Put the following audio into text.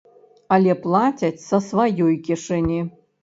Але плацяць са сваёй кішэні.